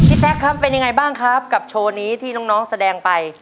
แต๊กครับเป็นยังไงบ้างครับกับโชว์นี้ที่น้องแสดงไป